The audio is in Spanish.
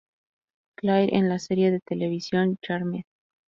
Claire en la serie de televisión "Charmed".